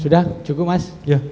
sudah cukup mas